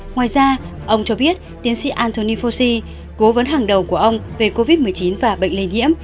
ngoài ra ông cho biết tiến sĩ anthony fosi cố vấn hàng đầu của ông về covid một mươi chín và bệnh lây nhiễm